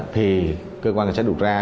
thì cơ quan sản đục ra